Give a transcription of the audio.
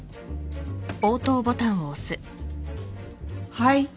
はい？